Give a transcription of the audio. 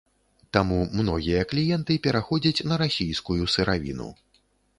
Таму многія кліенты пераходзяць на расійскую сыравіну.